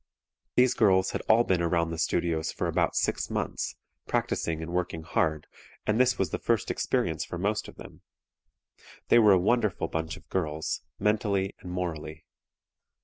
These girls had all been around the Studios for about six months, practicing and working hard, and this was the first experience for most of them. They were a wonderful bunch of girls, mentally and morally.